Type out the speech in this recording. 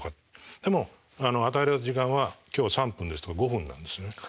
でも与えられた時間は今日は３分ですとか５分なんですよね。